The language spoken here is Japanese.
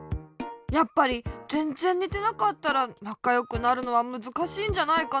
やっぱりぜんぜんにてなかったらなかよくなるのはむずかしいんじゃないかなあ。